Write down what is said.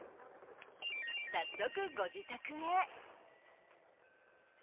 早速、ご自宅へ。